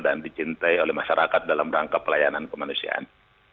dan dicintai oleh masyarakat dalam rangka pelayanan kemanusiaan